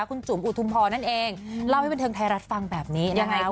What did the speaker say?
คุณจุ๋มอุทุมพรนั่นเองเล่าให้บันเทิงไทยรัฐฟังแบบนี้นะคะ